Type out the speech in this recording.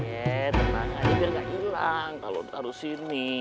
eh tenang aja biar gak hilang kalau taruh sini